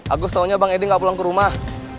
agus taunya bang eddy gak pulang ke rumah